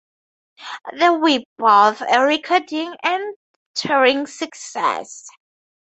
They were both a recording and touring success.